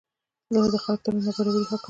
دلته د خلکو ترمنځ نابرابري حاکمه ده.